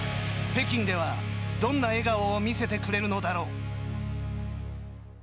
北京では、どんな笑顔を見せてくれるのだろう。